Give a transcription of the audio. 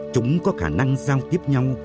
chúng có khả năng giao tiếp nhau